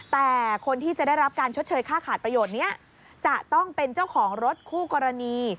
แต่คนที่จะได้รับการชดเชยค่าขาดประโยชน์นี้จะต้องเป็นเจ้าของรถคู่กรณี